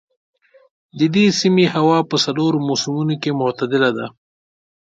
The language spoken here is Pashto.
د دې سیمې هوا په څلورو موسمونو کې معتدله ده.